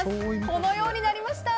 このようになりました。